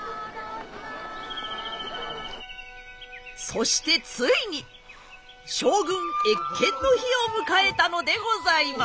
そしてついに将軍謁見の日を迎えたのでございます。